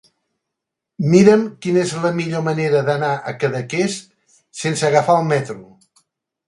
Mira'm quina és la millor manera d'anar a Cadaqués sense agafar el metro.